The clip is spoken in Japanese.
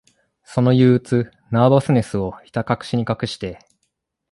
その憂鬱、ナーバスネスを、ひたかくしに隠して、